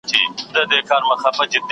د رحیم له خولې نه سپینې لاړې بادېدې.